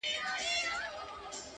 خُم ته یو راغلي په دمدار اعتبار مه کوه؛